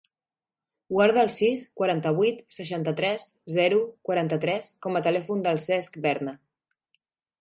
Guarda el sis, quaranta-vuit, seixanta-tres, zero, quaranta-tres com a telèfon del Cesc Berna.